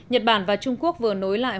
nhật bản và trung quốc vừa nối lại